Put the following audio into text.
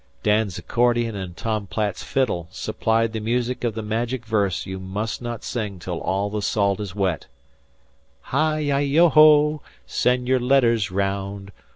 Dan's accordion and Tom Platt's fiddle supplied the music of the magic verse you must not sing till all the salt is wet: "Hih! Yih! Yoho! Send your letters raound!